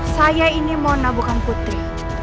saya ini mona bukan putri